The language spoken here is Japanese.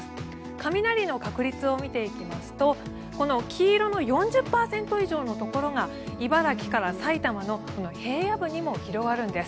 雷の確率を見ていきますとこの黄色の４０％以上のところが茨城から埼玉の平野部にも広がるんです。